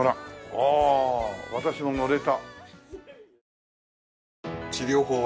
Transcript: ああ私も乗れた。